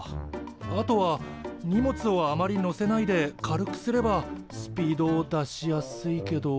あとは荷物をあまりのせないで軽くすればスピードを出しやすいけど。